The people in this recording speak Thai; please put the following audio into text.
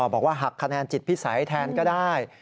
บอกว่าหักคะแนนจิตพิสัยแทนก็ได้